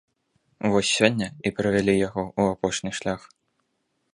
Вось сёння і правялі яго ў апошні шлях.